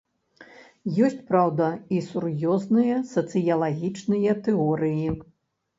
Ёсць, праўда, і сур'ёзныя сацыялагічныя тэорыі.